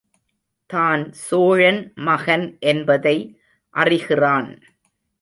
தான் சோழன் மகன் என்பதை அறிகிறான்.